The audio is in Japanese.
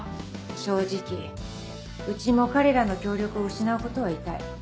正直うちも彼らの協力を失うことは痛い。